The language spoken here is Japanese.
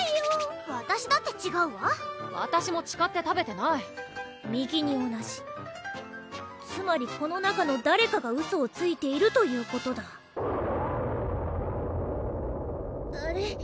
わたしだってちがうわわたしもちかって食べてない右に同じつまりこの中の誰かがウソをついているということだあれ？